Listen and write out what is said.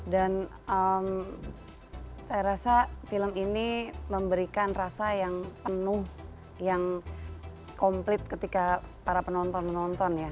dan saya rasa film ini memberikan rasa yang penuh yang komplit ketika para penonton menonton ya